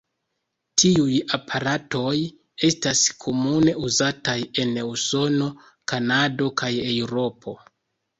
Tiuj aparatoj estas komune uzataj en Usono, Kanado kaj Eŭropo.